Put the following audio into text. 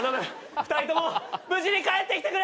２人とも無事に帰ってきてくれ！